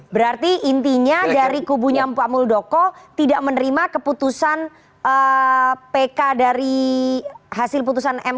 berarti intinya dari kubunya pak muldoko tidak menerima keputusan pk dari hasil putusan mk